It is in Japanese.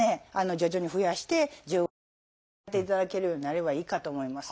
徐々に増やして１５分ぐらいやっていただけるようになればいいかと思います。